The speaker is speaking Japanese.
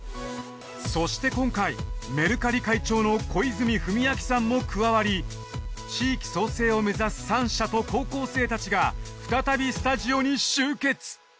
そして今回メルカリ会長の小泉文明さんも加わり地域創生を目指す３社と高校生たちが再びスタジオに集結。